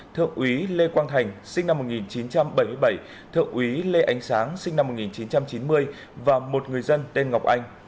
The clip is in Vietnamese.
thượng úy lê quang thành sinh năm một nghìn chín trăm bảy mươi bảy thượng úy lê ánh sáng sinh năm một nghìn chín trăm chín mươi và một người dân tên ngọc anh